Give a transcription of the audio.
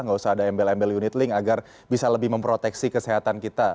nggak usah ada embel embel unit link agar bisa lebih memproteksi kesehatan kita